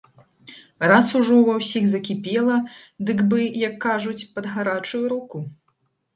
Раз ужо ўва ўсіх закіпела, дык бы, як кажуць, пад гарачую руку.